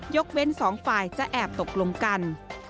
ยกเว้นสองฝ่ายจะแอบตกลงกัน